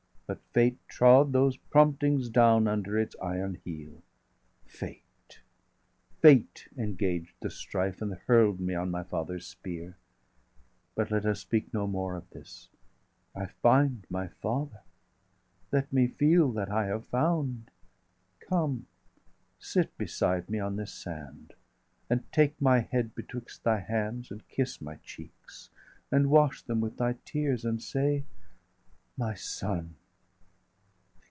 but fate trod those promptings down Under its iron heel; fate, fate engaged The strife, and hurl'd me on my father's spear. 715 But let us speak no more of this! I find My father; let me feel that I have found!° °717 Come, sit beside me on this sand, and take My head betwixt thy hands, and kiss my cheeks, And wash them with thy tears, and say: _My son!